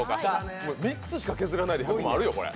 ３つしか削らないであるよ、これ。